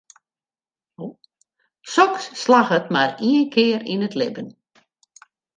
Soks slagget mar ien kear yn it libben.